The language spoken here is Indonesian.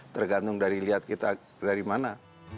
tergantung dari lihat kita dari mana